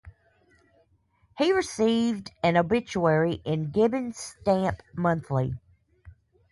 He received an obituary in "Gibbons Stamp Monthly".